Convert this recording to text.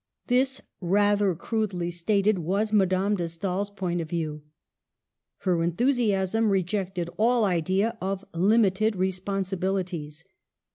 This — rather crudely stated — was Madame de Stael's point of view. Her enthusiasm rejected all idea of limited responsibilities.